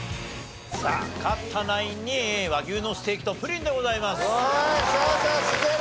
さあ勝ったナインに和牛のステーキとプリンでございます。